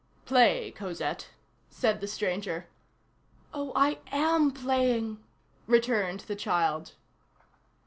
"Play, Cosette," said the stranger. "Oh! I am playing," returned the child.